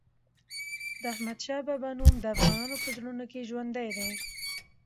د احمد شاه بابا نوم د افغانانو په زړونو کې ژوندی دی.